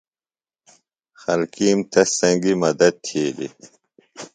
خلکیم تس سنگیۡ مدت تِھیلیۡ۔